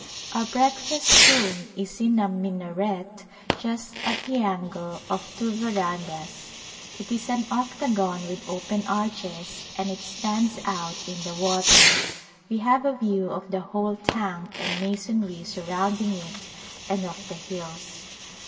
Our breakfast room is in a minaret just at the angle of two verandas ; it is an octagon with open arches, and it stands out in the water; we have a view of the whole tank and masonry surrounding it and of the hills.